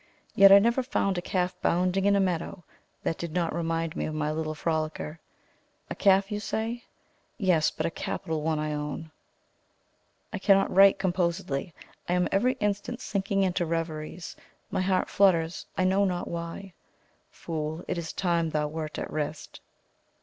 Yet I never saw a calf bounding in a meadow, that did not remind me of my little frolicker. A calf, you say. Yes; but a capital one I own. I cannot write composedly I am every instant sinking into reveries my heart flutters, I know not why. Fool! It is time thou wert at rest.